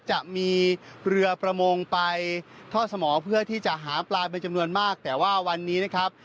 จะมีเรือประมงไปทอดสมอเพื่อที่จะหาปลาเป็นจำนวนมากแต่ว่าวันนี้นะครับ